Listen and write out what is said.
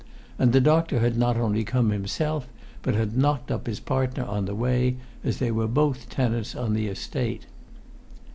And the doctor had not only come himself, but had knocked up his partner on the way, as they were both tenants on the Estate.